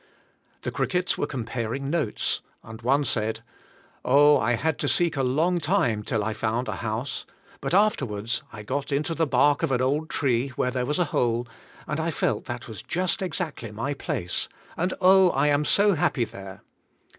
The crickets were com paring notes and one said, "O, I had to seek a long time till I found a house, but afterwards I got into the bark of an old tree where there was a hole, and I felt that was just exactly my place and, oh, I am so happy there."